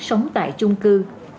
sống tại chung cư